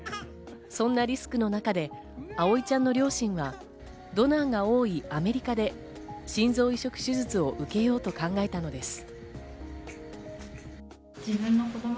そんなリスクの中で、葵ちゃんの両親はドナーが多いアメリカで心臓移植手術を受けようと考えたのです。